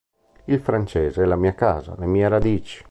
Il francese è la mia casa, le mie radici.